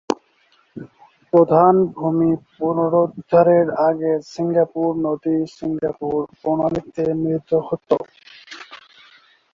প্রধান ভূমি পুনরুদ্ধারের আগে সিঙ্গাপুর নদী সিঙ্গাপুর প্রণালীতে মিলিত হতো।